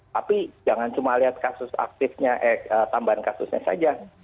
tapi jangan cuma lihat kasus aktifnya tambahan kasusnya saja